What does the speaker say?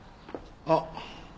あっ。